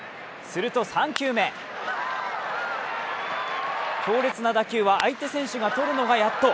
すると３球目、強烈な打球は相手選手が取るのがやっと。